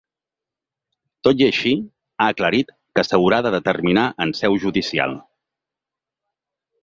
Tot i així, ha aclarit que ‘s’haurà de determinar en seu judicial’.